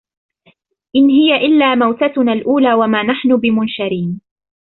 إن هي إلا موتتنا الأولى وما نحن بمنشرين